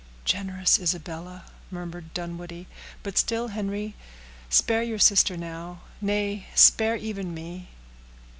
"Generous Isabella!" murmured Dunwoodie; "but, still, Henry, spare your sister now; nay, spare even me."